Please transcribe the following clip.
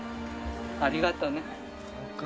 ありがとね。